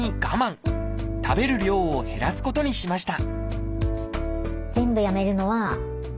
食べる量を減らすことにしました